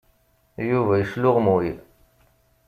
Yuba yesluɣmuy.